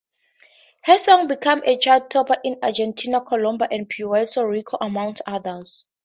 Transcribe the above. Her song became a chart-topper in Argentina, Colombia, and Puerto Rico, among others.